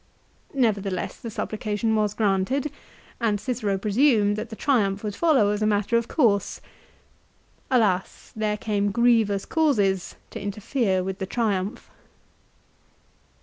Never theless the supplication was granted, and Cicero presumed that the Triumph would follow as a matter of course. Alas, there came grievous causes to interfere with the Triumph